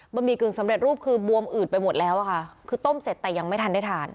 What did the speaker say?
หมี่กึ่งสำเร็จรูปคือบวมอืดไปหมดแล้วอะค่ะคือต้มเสร็จแต่ยังไม่ทันได้ทาน